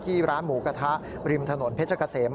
ร้านหมูกระทะริมถนนเพชรเกษม